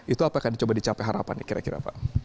itu apa yang akan dicoba dicapai harapan kira kira pak